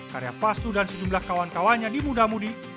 karya pastu dan sejumlah kawan kawannya di mudamudi